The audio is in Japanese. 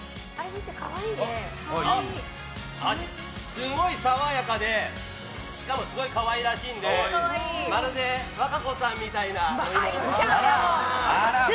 すごい爽やかでしかもすごい可愛らしいんでまるで和歌子さんみたいな飲み物です。